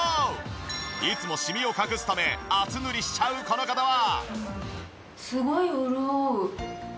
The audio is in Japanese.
いつもシミを隠すため厚塗りしちゃうこの方は。